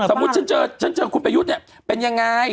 ฉันเจอคุณประยุทธ์เนี่ยเป็นยังไง